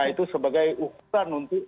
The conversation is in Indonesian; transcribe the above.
itu sebagai ukuran untuk